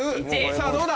さぁどうだ？